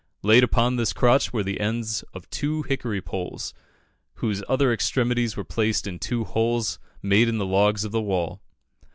Laid upon this crotch were the ends of two hickory poles, whose other extremities were placed in two holes made in the logs of the wall.